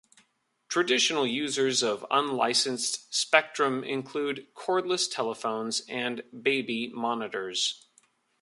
Traditional users of unlicensed spectrum include cordless telephones, and baby monitors.